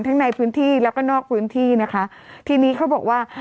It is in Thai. ทั้งในพื้นที่แล้วก็นอกพื้นที่นะคะทีนี้เขาบอกว่า